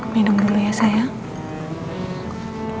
minum dulu ya sayang